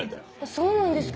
そうなんですか。